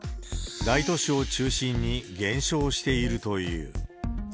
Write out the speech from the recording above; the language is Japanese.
大都市を中心に減少しているという。